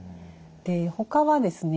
でほかはですね